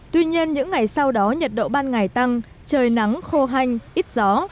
tuy nhiên những ngày sau đó nhiệt độ ban ngày tăng trời nắng khô hanh ít gió